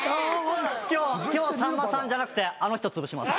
今日さんまさんじゃなくてあの人つぶします。